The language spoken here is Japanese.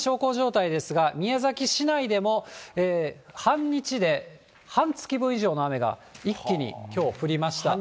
今、小康状態ですが、宮崎市内でも、半日で半月分以上の雨が一気にきょう、降りました。